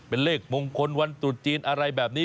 เป็นเลขมงคลวันตรุษจีนอะไรแบบนี้